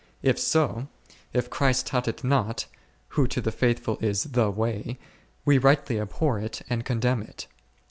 If so, if Christ taught it not, who to the faithful is the way, we rightly abhor it and condemn it.